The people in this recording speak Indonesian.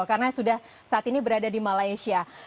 karena sudah saat ini berada di malaysia